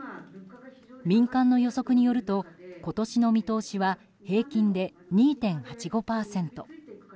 民間の予測によると今年の見通しは平均で２．８５％。